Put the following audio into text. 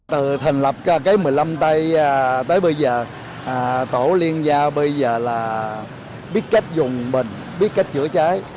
từ thành lập cái một mươi năm tay tới bây giờ tổ liên gia bây giờ là biết cách dùng bình biết cách chữa cháy